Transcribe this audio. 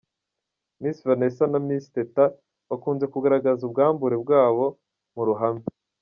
Miss Vanessa na Miss Teta bakunze kugaragaza ubwambure bwabo mu ruhame.